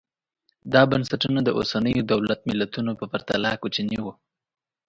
دا بنسټونه د اوسنیو دولت ملتونو په پرتله کوچني وو